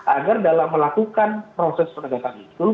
agar dalam melakukan proses penegakan itu